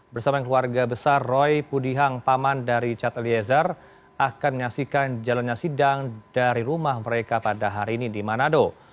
bersama keluarga besar roy pudihang paman dari richard eliezer akan menyaksikan jalannya sidang dari rumah mereka pada hari ini di manado